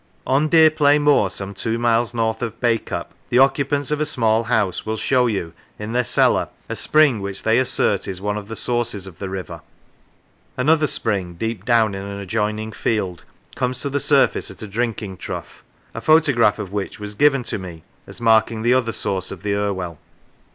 On Deerplay Moor, some two miles north of B acup, the occupants of a small house will show you, in their cellar, a spring which they assert is one of the sources of the river; another spring, deep down in an adjoining field, comes to the surface at a drinking trough, a photograph of which was given to me as marking the other source of the Irwell.